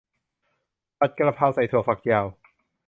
ผัดกะเพราใส่ถั่วฝักยาว